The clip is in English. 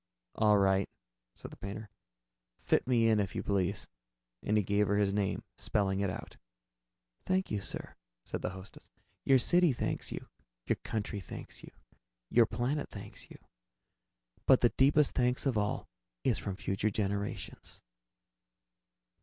"All right," said the painter, "fit me in, if you please." And he gave her his name, spelling it out. "Thank you, sir," said the hostess. "Your city thanks you; your country thanks you; your planet thanks you. But the deepest thanks of all is from future generations."